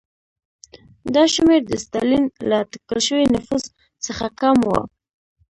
دا شمېر د ستالین له اټکل شوي نفوس څخه کم و.